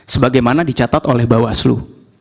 sebagaimana dicatat oleh bawaslu